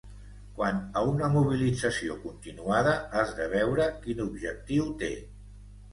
Quant a una mobilització continuada, has de veure quin objectiu té.